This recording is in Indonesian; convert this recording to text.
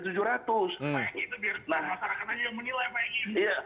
pak egy itu biar masyarakat aja yang menilai pak egy